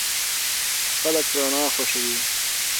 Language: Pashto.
خلک رڼا خوښوي.